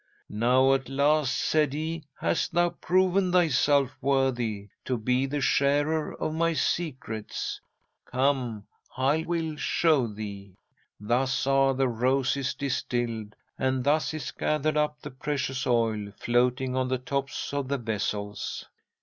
"Now at last," said he, "hast thou proven thyself worthy to be the sharer of my secrets. Come! I will show thee! Thus are the roses distilled, and thus is gathered up the precious oil floating on the tops of the vessels.